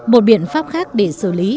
một biện pháp khác để xử lý